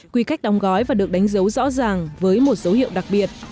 quy cách đóng gói và được đánh dấu rõ ràng với một dấu hiệu đặc biệt